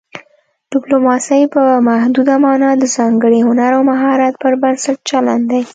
ډیپلوماسي په محدوده مانا د ځانګړي هنر او مهارت پر بنسټ چلند دی